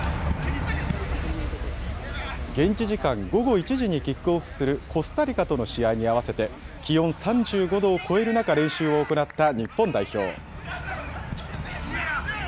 現地時間午後１時にキックオフするコスタリカとの試合に合わせて、気温３５度を超える中、練習を行った日本代表。